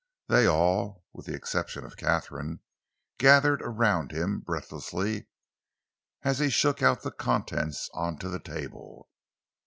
They all, with the exception of Katharine, gathered around him breathlessly as he shook out the contents on to the table.